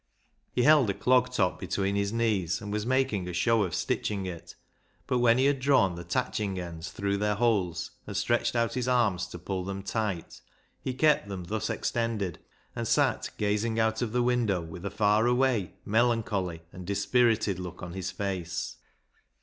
He held a clog top between his knees, and was making a show of stitching it, but when he had drawn the tatching ends through their 2 13 244 BECKSIDE LIGHTS holes, and stretched out his arms to pull them tight, he kept them thus extended, and sat gazing out of the window with a far away, melancholy, and dispirited look on his face.